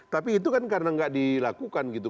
tapi itu kan karena nggak dilakukan gitu